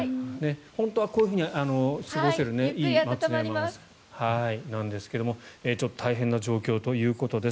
本当はこういうふうに過ごせる温泉地なんですがちょっと大変な状況ということです。